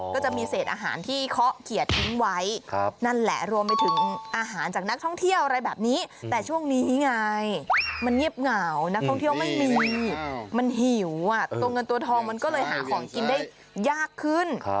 ก็จะมีเศษอาหารที่เคาะเขียดทิ้งไว้นั่นแหละรวมไปถึงอาหารจากนักท่องเที่ยวอะไรแบบนี้แต่ช่วงนี้ไงมันเงียบเหงานักท่องเที่ยวไม่มีมันหิวตัวเงินตัวทองมันก็เลยหาของกินได้ยากขึ้น